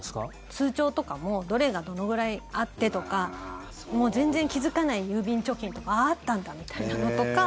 通帳とかもどれがどのぐらいあってとかもう全然気付かない郵便貯金とかあったんだみたいなのとか。